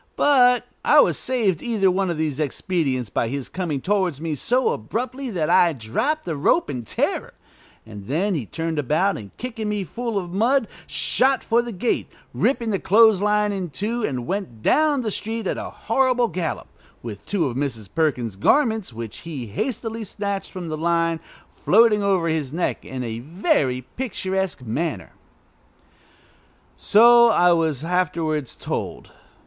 But I was saved either of these expedients by his coming towards me so abruptly that I dropped the rope in terror, and then he turned about, and, kicking me full of mud, shot for the gate, ripping the clothes line in two, and went on down the street at a horrible gallop, with two of Mrs. Perkins' garments, which he hastily snatched from the line, floating over his neck in a very picturesque manner. So I was afterwards told.